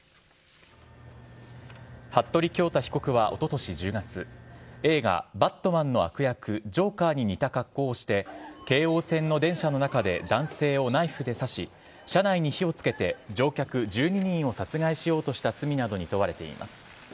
服部恭太被告はおととし１０月、映画、バットマンの悪役、ジョーカーに似た格好をして、京王線の電車の中で男性をナイフで刺し、車内に火をつけて乗客１２人を殺害しようとした罪などに問われています。